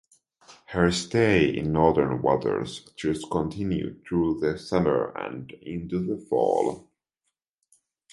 Her stay in northern waters thus continued through the summer and into the fall.